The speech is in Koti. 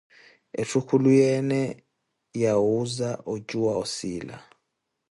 Etthu khuluyeene yawuuza ocuwa osiila.